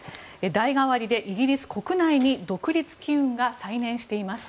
代替わりでイギリス国内に独立機運が再燃しています。